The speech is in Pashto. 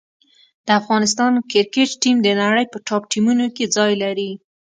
د افغانستان کرکټ ټیم د نړۍ په ټاپ ټیمونو کې ځای لري.